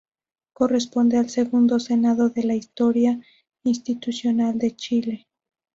Corresponde al segundo senado de la historia institucional de Chile.